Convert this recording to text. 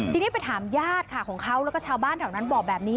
ทีนี้ไปถามญาติค่ะของเขาแล้วก็ชาวบ้านแถวนั้นบอกแบบนี้